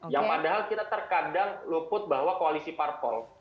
yang padahal kita terkadang luput bahwa koalisi parpol